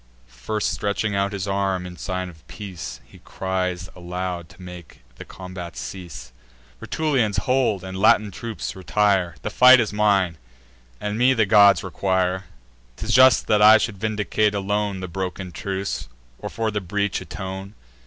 First stretching out his arm, in sign of peace, He cries aloud, to make the combat cease: "Rutulians, hold; and Latin troops, retire! The fight is mine; and me the gods require. 'Tis just that I should vindicate alone The broken truce, or for the breach atone.